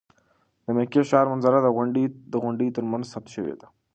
د مکې ښار منظره د غونډیو تر منځ ثبت شوې ده.